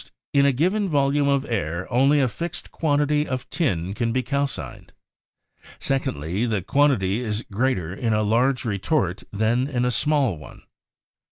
In a given volume of air only a fixed quantity of tin can be calcined. "Secondly. This quantity is greater in a large retort than in a small one.